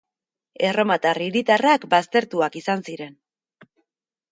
Erromatar hiritarrak baztertuak izan ziren.